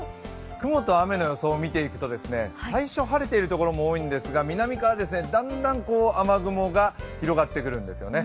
雲と雨の様子を見ていくと、最初、晴れている所も多いんですが南からだんだん雨雲が広がってくるんですよね。